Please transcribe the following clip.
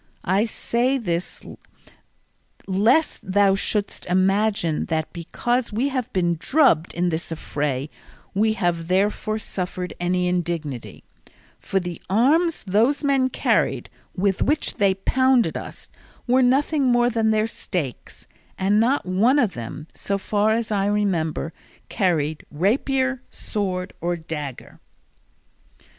I say this lest thou shouldst imagine that because we have been drubbed in this affray we have therefore suffered any indignity; for the arms those men carried, with which they pounded us, were nothing more than their stakes, and not one of them, so far as I remember, carried rapier, sword, or dagger."